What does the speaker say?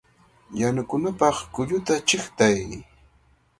¡Yanukunapaq kulluta chiqtay!